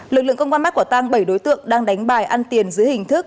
lực lượng công an bắt quả tang bảy đối tượng đang đánh bài ăn tiền dưới hình thức